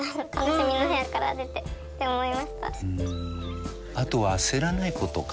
結構あとは焦らないことかな。